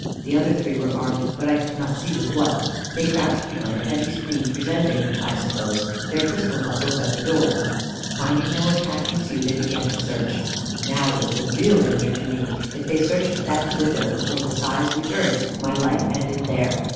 The other three were armed, but I could not see with what. They crouched behind a heavy screen, presenting (I supposed) their pistol muzzles at the door. Finding no attack ensue, they began to search. Now was the real danger to me. If they searched that window before the size returned, my life ended there.